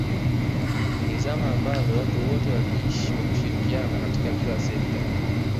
ni zama ambazo watu wote waliishi kwa kushirikiana katika kila sekta